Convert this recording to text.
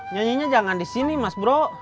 nyanyinya jangan di sini mas bro